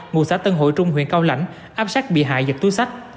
ngụ xã tân hội trung huyện cao lãnh áp sát bị hại giật túi sách